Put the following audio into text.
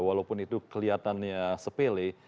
walaupun itu kelihatannya sepele